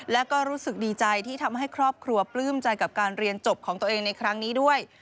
แล้วก็รู้สึกดีใจที่ทำให้ครอบครัวปลื้มใจกับการเรียนจบของตัวเองในครั้งนี้ด้วย